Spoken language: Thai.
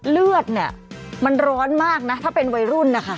เลือดเนี่ยมันร้อนมากนะถ้าเป็นวัยรุ่นนะคะ